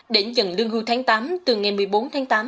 để nhận lương hưu tháng tám từ ngày một mươi bốn tháng tám